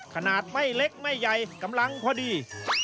ขนาดไม่เล็กไม่ใหญ่กำลังพอดี